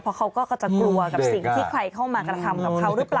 เพราะเขาก็จะกลัวกับสิ่งที่ใครเข้ามากระทำกับเขาหรือเปล่า